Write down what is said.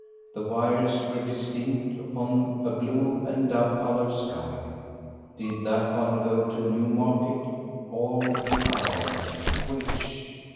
The wires were distinct upon a blue and dove coloured sky. Did that one go to Newmarket, or the other? Which?